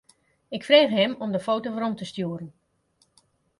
Ik frege him om de foto werom te stjoeren.